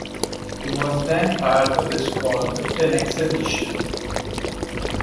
He was then part of the squad the next edition.